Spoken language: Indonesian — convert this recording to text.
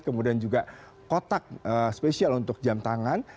kemudian juga kotak spesial untuk jam tangan